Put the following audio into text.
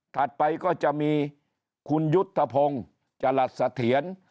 ถัดไปก็จะมีคุณยุทธพงศ์จรรย์สะเถียน